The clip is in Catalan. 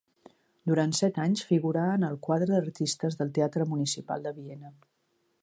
Durant set anys figurà en el quadre d'artistes del Teatre Municipal de Viena.